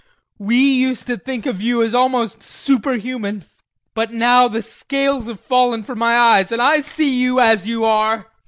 VOITSKI. We used to think of you as almost superhuman, but now the scales have fallen from my eyes and I see you as you are!